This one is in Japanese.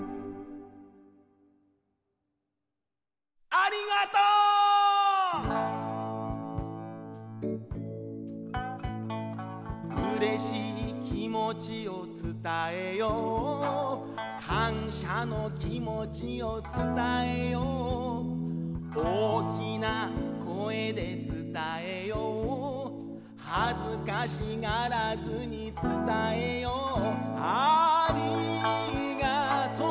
「ありがとう」「うれしい気持ちを伝えよう」「感謝の気持ちを伝えよう」「大きな声で伝えよう」「恥ずかしがらずに伝えよう」「ありがとう」